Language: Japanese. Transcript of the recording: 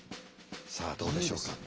さあどうでしょうか。